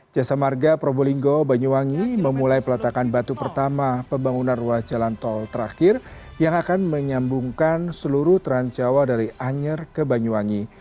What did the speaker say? jasa marga probolinggo banyuwangi memulai peletakan batu pertama pembangunan ruas jalan tol terakhir yang akan menyambungkan seluruh transjawa dari anyer ke banyuwangi